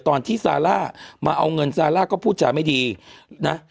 ตอนที่ซาร่ามาเอาเงินซาร่าก็พูดจาไม่ดีนะ